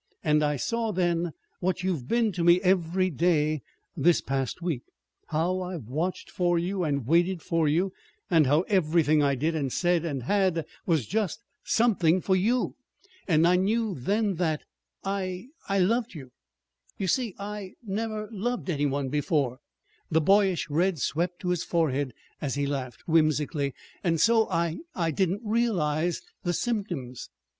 And I saw then what you've been to me every day this past week. How I've watched for you and waited for you, and how everything I did and said and had was just something for you. And I knew then that I I loved you. You see, I I never loved any one before," the boyish red swept to his forehead as he laughed whimsically, "and so I I didn't recognize the symptoms!"